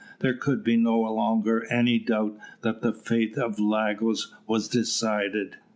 There could be no longer any doubt that the fate of Lagos was decided.